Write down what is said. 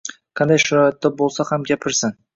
Qanday sharoitda boʻlsa ham gapirsin.